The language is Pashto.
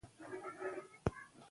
شفافه اداره د فساد مخه نیسي